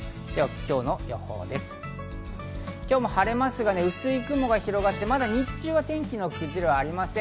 今日も晴れますが薄い雲が広がって、日中は天気の崩れはありません。